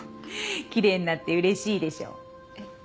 きれいになってうれしいでしょ？